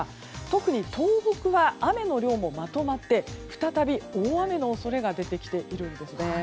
特に東北は雨の量もまとまって再び大雨の恐れが出てきているんですね。